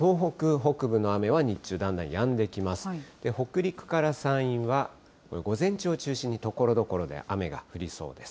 北陸から山陰は午前中を中心に、ところどころで雨が降りそうです。